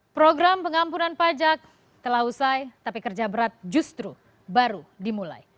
program pengampunan pajak telah usai tapi kerja berat justru baru dimulai